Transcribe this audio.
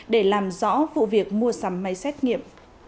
để làm rõ vụ việc mua sắm máy xét nghiệm